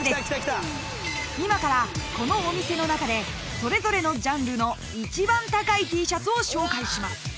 ［今からこのお店の中でそれぞれのジャンルの一番高いＴシャツを紹介します］